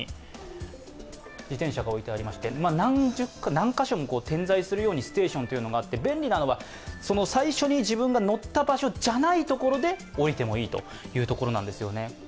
何カ所にも点在するようにステーションがあって便利なのは、最初に自分が乗った場所じゃないところで置いてもいいということなんですね。